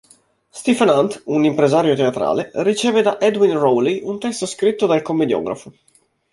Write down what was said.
Stephen Hunt, un impresario teatrale, riceve da Edwin Rowley un testo scritto dal commediografo.